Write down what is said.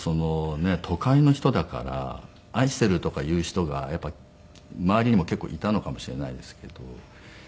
都会の人だから「愛してる」とか言う人が周りにも結構いたのかもしれないですけど。